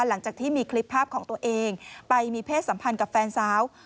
หลังจากที่มีคลิปภาพของตัวเองไปมีเพศสัมพันธ์กับแฟนสาว